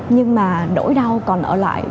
nhưng mà nỗi đau còn ở lại